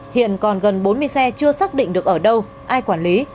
hiện còn gần bốn mươi xe chưa xác định được ở đâu ai quản lý